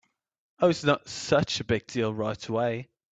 Oh, it’s not such a big deal right away.